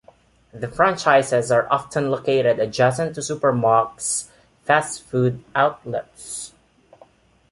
The franchises are often located adjacent to Supermacs fast food outlets.